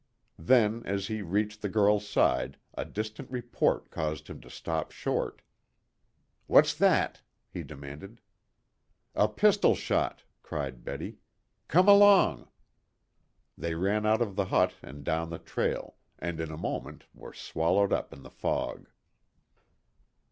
Then, as he reached the girl's side, a distant report caused him to stop short. "What's that?" he demanded. "A pistol shot," cried Betty. "Come along!" They ran out of the hut and down the trail, and, in a moment, were swallowed up in the fog.